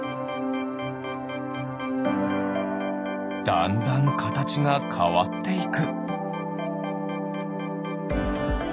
だんだんかたちがかわっていく。